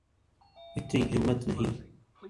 اتنی ہمت نہیں۔